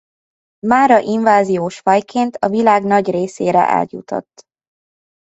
Mára inváziós fajként a világ nagy részére eljutott.